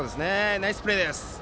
ナイスプレーです！